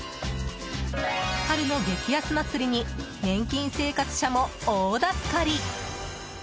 春の激安祭りに年金生活者も大助かり！